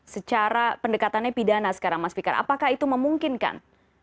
secara pendekatannya pidana sekarang mas fikar apakah itu memungkinkan